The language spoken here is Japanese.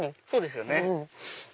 そうですよね。